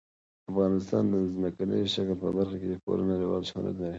افغانستان د ځمکني شکل په برخه کې پوره نړیوال شهرت لري.